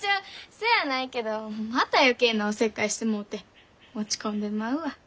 そやないけどまた余計なおせっかいしてもうて落ち込んでまうわ。